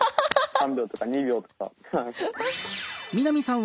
３秒とか２秒とか。